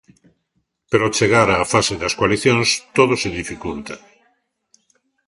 Pero ao chegar á fase das coalicións, todo se dificulta.